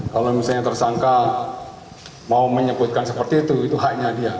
kalau misalnya tersangka mau menyebutkan seperti itu itu haknya dia